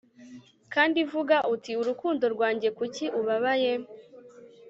kandi vuga uti, urukundo rwanjye, kuki ubabaye